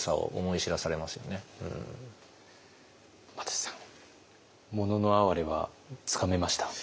又吉さん「もののあはれ」はつかめました？